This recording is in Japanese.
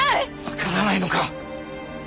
わからないのか？